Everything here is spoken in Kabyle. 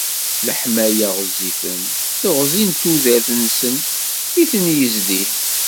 Leḥmala ɣezzifen teɣzi n tudert-nsen i ten-yezdin.